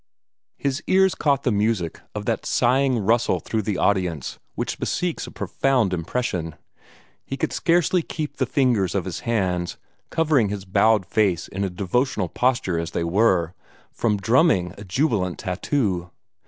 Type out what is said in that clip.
His ears caught the music of that sighing rustle through the audience which bespeaks a profound impression. He could scarcely keep the fingers of his hands, covering his bowed face in a devotional posture as they were, from drumming a jubilant tattoo.